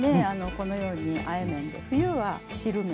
このようにあえ麺で冬は汁麺。